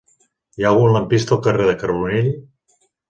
Hi ha algun lampista al carrer de Carbonell?